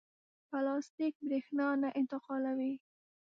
پلاستیک برېښنا نه انتقالوي.